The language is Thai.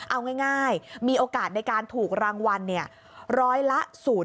เอาง่ายมีโอกาสในการถูกรางวัลร้อยละ๐